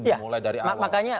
dimulai dari awal